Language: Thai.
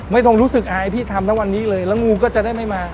ไม่ต้องรู้สึกอายพี่ทำทั้งวันนี้เลยแล้วงูก็จะได้ไม่มา